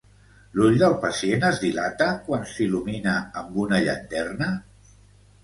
L'ull del pacient es dilata quan s'il·lumina amb una llanterna?